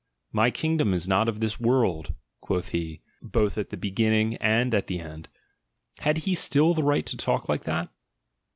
"My kingdom is not of this world," quoth he, both at the be ginning and at the end: had he still the right to talk like that?